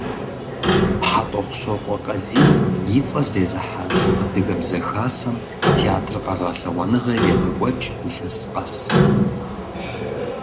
ХьэтӀохъущокъуэ Къазий и цӀэр зезыхьэ Адыгэбзэ хасэм театр гъэлъэгъуэныгъэ ирегъэкӀуэкӀ илъэс къэс.